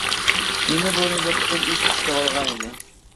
مېنى بۇرۇنمۇ بىر قېتىم ئىت چىشلىۋالغانىدى.